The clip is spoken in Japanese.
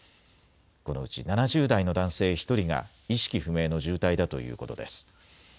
このうち７０代の男性１人が意識不明の重体だということです。